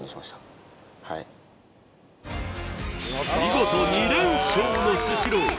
見事２連勝のスシロー